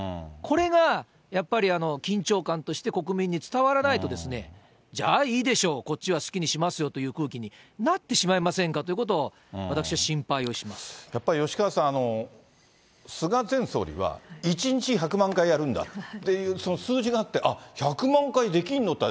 これがやっぱり緊張感として、国民に伝わらないとですね、じゃあ、いいでしょう、こっちは好きにしますよという空気になってしまいませんかというやっぱり吉川さん、菅前総理は、１日１００万回やるんだ、その数字があって、あっ、１００万回できるの？